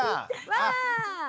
わあ！